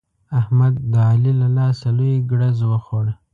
احمد د علي له لاسه لوی ګړز وخوړ.